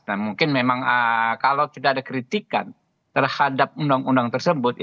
nah mungkin memang kalau tidak ada kritikan terhadap undang undang tersebut